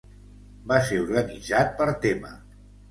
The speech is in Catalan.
Va ser organitzat per tema.